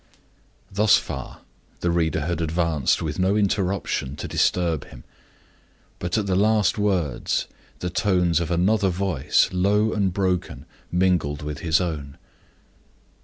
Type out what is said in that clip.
Thus far the reader had advanced with no interruption to disturb him. But at the last words the tones of another voice, low and broken, mingled with his own.